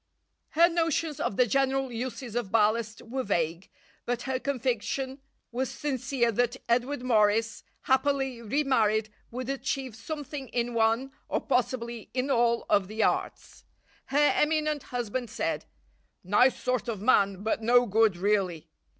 Her notions of the general uses of ballast were vague, but her conviction was sincere that Edward Morris, happily re married, would achieve something in one, or possibly in all, of the arts. Her eminent husband said: "Nice sort of man, but no good really."